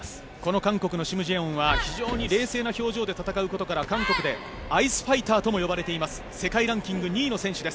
韓国のシム・ジェヨンは非常に冷静な表情で戦うことから韓国でアイスファイターと呼ばれています。